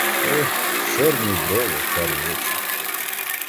Ех, чорні брови, карі очі!